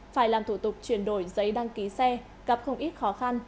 phải làm thủ tục chuyển đổi giấy đăng ký xe gặp không ít khó khăn